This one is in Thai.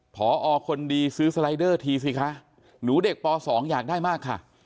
พอคนดีซื้อสไลเดอร์ทีสิคะหนูเด็กป๒อยากได้มากค่ะ